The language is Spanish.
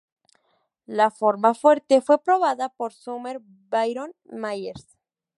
La forma fuerte fue probada por Sumner Byron Myers.